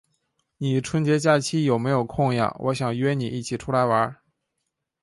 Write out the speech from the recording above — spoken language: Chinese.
你春节假期有没有空呀？我想约你一起出来玩。